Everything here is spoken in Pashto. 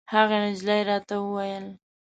هغې نجلۍ راته ویل.